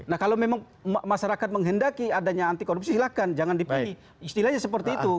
nah kalau memang masyarakat menghendaki adanya antikorupsi silakan jangan dipilih istilahnya seperti itu